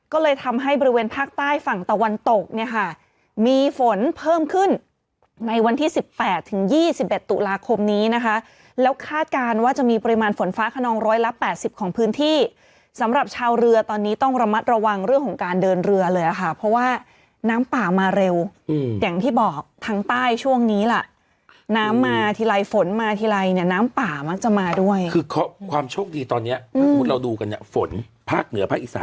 ก็เลยทำให้บริเวณภาคใต้ฝั่งตะวันตกเนี่ยค่ะมีฝนเพิ่มขึ้นในวันที่๑๘ถึง๒๑ตุลาคมนี้นะคะแล้วคาดการณ์ว่าจะมีปริมาณฝนฟ้าขนองร้อยละ๘๐ของพื้นที่สำหรับชาวเรือตอนนี้ต้องระมัดระวังเรื่องของการเดินเรือเลยค่ะเพราะว่าน้ำป่ามาเร็วอย่างที่บอกทั้งใต้ช่วงนี้ล่ะน้ำมาทีไรฝนมาทีไรเนี่ยน้